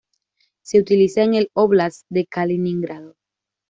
Se utiliza en el Óblast de Kaliningrado.